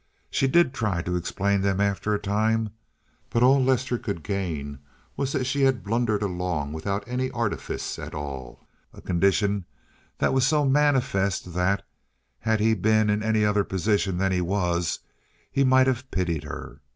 She did try to explain them after a time, but all Lester could gain was that she had blundered along without any artifice at all—a condition that was so manifest that, had he been in any other position than that he was, he might have pitied her.